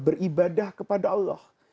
beribadah kepada allah